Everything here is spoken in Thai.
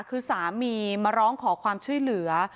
คือสามีมาร้องขอความช่วยเหลือ